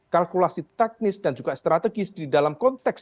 kalkulasi teknis dan juga strategis di dalam konteks